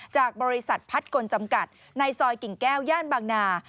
จากบริษัทพัดกลจำกัดในซอยกิ่งแก้วย่านบางนา